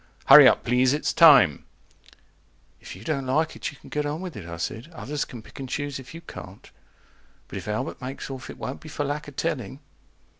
HURRY UP PLEASE IT'S TIME If you don't like it you can get on with it, I said. Others can pick and choose if you can't. But if Albert makes off, it won't be for lack of telling.